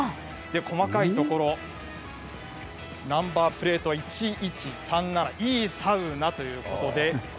細かいところ、ナンバープレート１、１、３、７いいサウナということです。